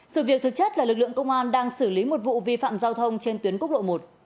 sự việc thực chất là lực lượng công an đang xử lý một vụ vi phạm giao thông trên tuyến quốc lộ một